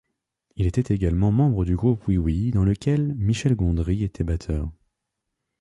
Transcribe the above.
Il était également membre du groupe Oui Oui, dans lequel Michel Gondry était batteur.